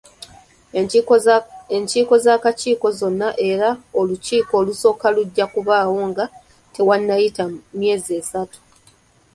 Enkiiko z'Akakiiko zonna era olukiiko olusooka lujja kubaawo nga tewannayita myezi esatu.